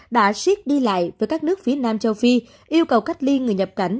đã xiết đi lại với các nước phía nam châu phi yêu cầu cách ly người nhập cảnh